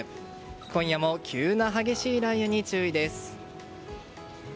今夜も急な激しい雷雨に注意です。